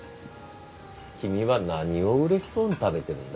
君は何を嬉しそうに食べているんだい？